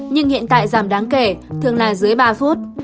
nhưng hiện tại giảm đáng kể thường là dưới ba phút